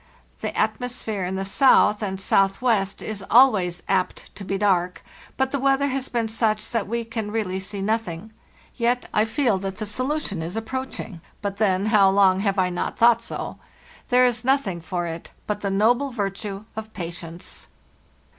The atmosphere in the south and southwest is always apt to be dark, but the weather has been such that we can really see nothing. Yet I feel that the solution is approaching. But, then, 256 FARTHEST NORTH how long have I not thought so? There is nothing for it but the noble virtue of patience.